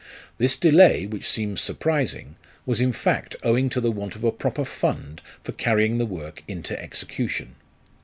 This delay, which seems surprising, was in fact owing to the want of a proper fund for carrying the work into execution.